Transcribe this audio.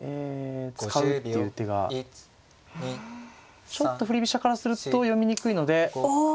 使うっていう手がちょっと振り飛車からすると読みにくいので。